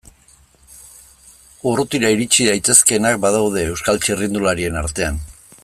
Urrutira iritsi daitezkeenak badaude Euskal txirrindularien artean.